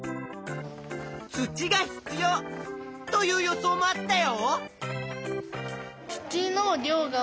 「土が必要」という予想もあったよ。